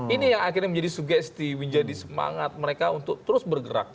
ini yang akhirnya menjadi sugesti menjadi semangat mereka untuk terus bergerak